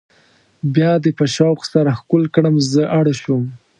بیا دې په شوق سره ښکل کړم زه اړ شوم.